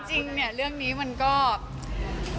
ออกงานอีเวนท์ครั้งแรกไปรับรางวัลเกี่ยวกับลูกทุ่ง